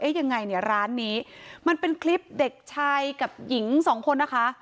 ยังไงเนี่ยร้านนี้มันเป็นคลิปเด็กชายกับหญิงสองคนนะคะ